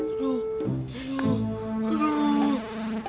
aduh aduh aduh